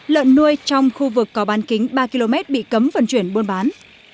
lợn nuôi trong khu vực có bán kính ba km bị cấm vận chuyển buôn bán